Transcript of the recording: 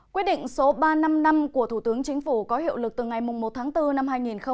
quyết định số ba trăm năm mươi năm của thủ tướng chính phủ có hiệu lực từ ngày một tháng bốn năm hai nghìn hai mươi